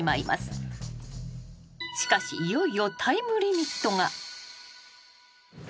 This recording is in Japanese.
［しかしいよいよタイムリミットが］